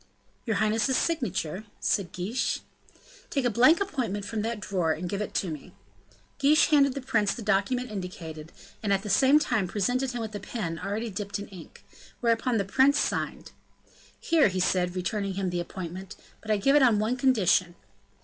"Your highness's signature?" said Guiche. "Take a blank appointment from that drawer, and give it to me." Guiche handed the prince the document indicated, and at the same time presented him with a pen already dipped in ink; whereupon the prince signed. "Here," he said, returning him the appointment, "but I give it on one condition."